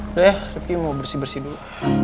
udah ya suki mau bersih bersih dulu